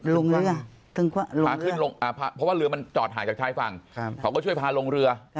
ลงเรือเพราะว่าเรือมันจอดหายจากท้ายฝั่งเขาก็ช่วยพาลงเรือ